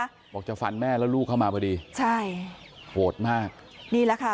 บอกจะฟันแม่แล้วลูกเข้ามาพอดีใช่โหดมากนี่แหละค่ะ